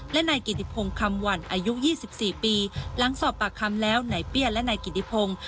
และนายกิติพงคำหวั่นอายุยี่สิบสี่ปีหลังสอบปากคำแล้วนายเปี้ยและนายกิติพง